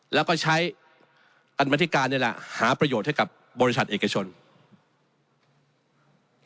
แล้วก็ใช้กรรมธิการนี่แหละหาประโยชน์ให้กับบริษัทเอกชน